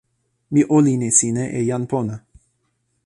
mi olin e sina e jan pona